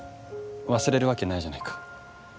忘れるわけないじゃないか。